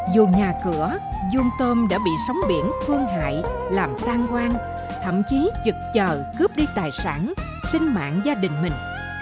dù nhà cửa dương tôm đã bị sóng biển phương hại làm tan quang thậm chí trực chờ cướp đi tài sản sinh mạng gia đình mình